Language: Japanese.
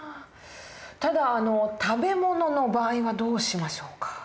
ただ食べ物の場合はどうしましょうか？